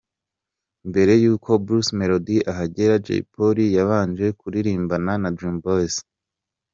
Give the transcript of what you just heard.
Mbere y'uko Bruce Melody ahagera, Jay Polly yabanje kuririmbana na Dream Boys.